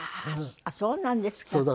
そうなんですか。